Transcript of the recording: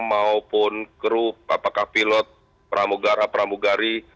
maupun grup apakah pilot pramugara pramugari